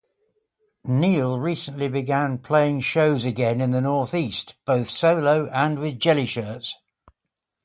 Neal recently began playing shows again in the Northeast, both solo and with Jellyshirts.